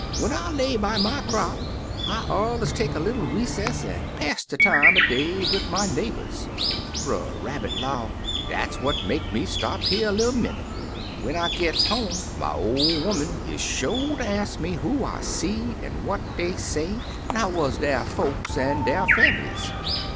When I lay by my crap, I allers take a little recess, an' pass de time er day wid my neighbors/ "3rer Rabbit 'low, 'Dat's what make me stop here a little minnit. When I gits home my ol' 'oman is sho' ter ax me who I seed an' what dey say, an' how wuz der folks an' der famblies.